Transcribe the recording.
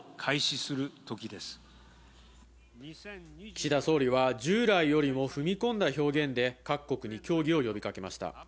岸田総理は従来よりも踏み込んだ表現で各国に協議を呼びかけました。